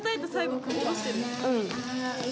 うん。